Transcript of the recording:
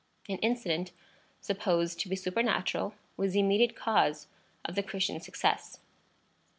An incident, supposed to be supernatural, was the immediate cause of the Christians' success.